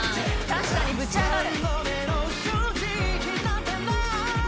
確かにぶちあがる。